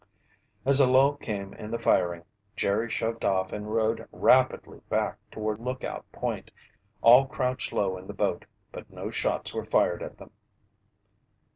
As a lull came in the firing, Jerry shoved off and rowed rapidly back toward Lookout Point. All crouched low in the boat, but no shots were fired at them.